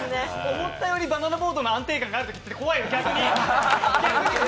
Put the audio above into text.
思ったよりバナナボートの安定感があるときって、逆に怖いのよ。